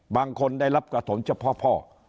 บางคนได้รับกระถนเฉพาะพ่อ